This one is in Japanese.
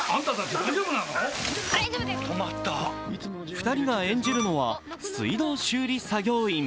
２人が演じるのは水道修理作業員。